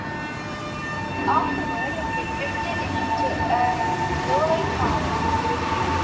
Afterward they drifted into a roulette-parlor.